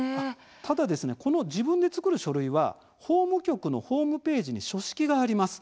ただ自分で作る書類は法務局のホームページに書式があります。